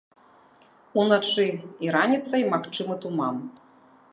Уначы і раніцай магчымы туман.